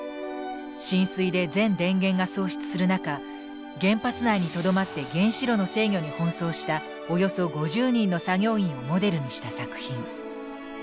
浸水で全電源が喪失する中原発内に留まって原子炉の制御に奔走したおよそ５０人の作業員をモデルにした作品。